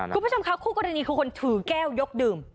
คุณผู้ชมคะคู่กรณีคือคนถือแก้วยกดื่ม